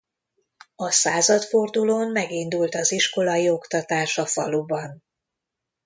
A századfordulón megindult az iskolai oktatás a faluban.